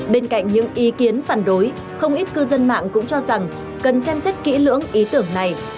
bên cạnh những ý kiến phản đối không ít cư dân mạng cũng cho rằng cần xem xét kỹ lưỡng ý tưởng này